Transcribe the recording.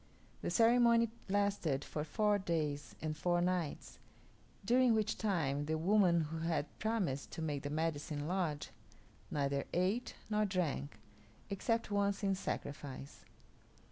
The ceremony lasted for four days and four nights, during which time the woman who had promised to make the Medicine Lodge neither ate nor drank, except once in sacrifice.